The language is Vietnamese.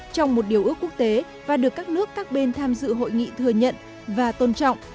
trong một điều ước quốc tế và được các nước các bên tham dự hội nghị thừa nhận và tôn trọng